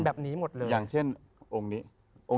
พระพุทธพิบูรณ์ท่านาภิรม